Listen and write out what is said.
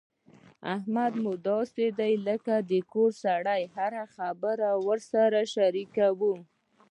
احمد مو داسې دی لکه د کور سړی هره خبره ورسره شریکوو.